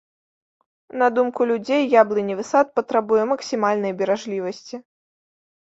На думку людзей, яблыневы сад патрабуе максімальнай беражлівасці.